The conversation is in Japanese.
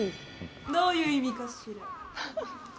どういう意味かしら？